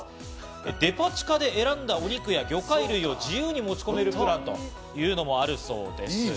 デパ地下で選んだ肉をお肉や魚介類を自由に持ち込めるプランというのもあるそうです。